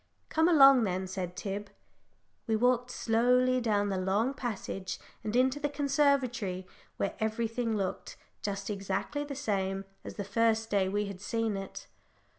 "Come along, then," said Tib. We walked slowly down the long passage and into the conservatory, where everything looked just exactly the same as the first day we had seen it.